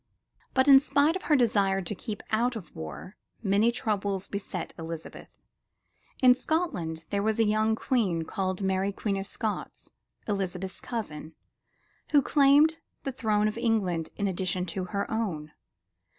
But in spite of her desire to keep out of war, many troubles beset Elizabeth. In Scotland there was a young queen called Mary Queen of Scots, Elizabeth's cousin, who claimed the throne of England in addition to her own.